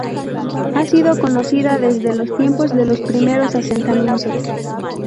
Ha sido conocida desde los tiempos de los primeros asentamientos.